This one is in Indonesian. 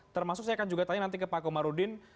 termasuk saya akan juga tanya nanti ke pak komarudin